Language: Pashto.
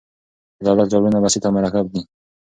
د دولت ډولونه بسیط او مرکب دي.